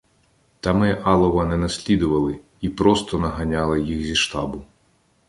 Та ми Алова не наслідували і просто наганяли їх зі штабу.